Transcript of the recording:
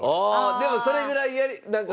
でもそれぐらいなんか。